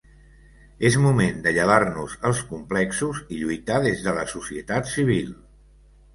És moment de llevar-nos els complexos i lluitar des de la societat civil.